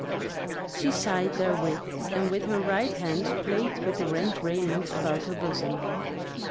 She sighed therewith, and with her right hand played with the rent raiment about her bosom.